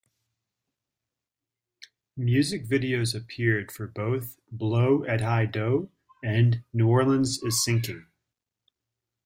Music videos appeared for both "Blow at High Dough" and "New Orleans is Sinking".